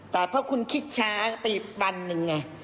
แต่เพราะคุณคิดช้าไปอีกวันหนึ่งไง